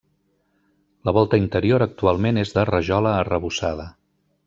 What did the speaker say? La volta interior actualment és de rajola arrebossada.